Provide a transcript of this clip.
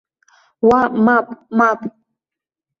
Уа, мап, мап!